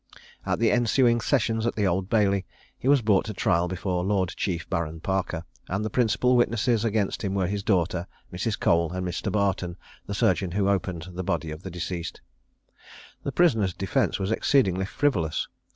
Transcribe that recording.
At the ensuing sessions at the Old Bailey he was brought to trial before Lord Chief Baron Parker; and the principal witnesses against him were his daughter, Mrs. Cole, and Mr. Barton, the surgeon who opened the body of the deceased. The prisoner's defence was exceedingly frivolous.